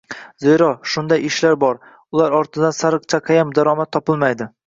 Zero, shunday ishlar bor, ular ortidan sariq chaqayam daromad topilmaydi